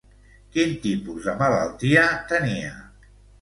Quin tipus de malaltia tenia?